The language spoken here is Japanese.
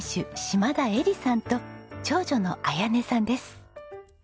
島田恵利さんと長女の文音さんです。